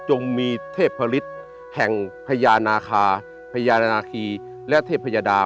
จงมีเทพฤษแห่งพญานาคาพญานาคีและเทพยดา